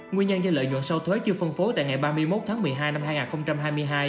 nguyên nhân do lợi nhuận sau thuế chưa phân phối tại ngày ba mươi một tháng một mươi hai năm hai nghìn hai mươi hai